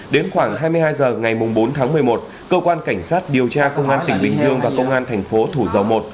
đến khoảng hai mươi hai h ngày bốn tháng một mươi một cơ quan cảnh sát điều tra công an tỉnh bình dương và công an thành phố thủ dầu một